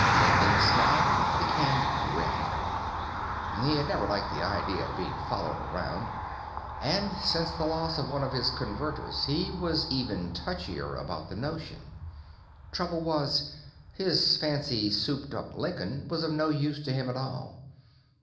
Bending's smile became grim. He had never liked the idea of being followed around, and, since the loss of one of his Converters, he was even touchier about the notion. Trouble was, his fancy, souped up Lincoln was of no use to him at all.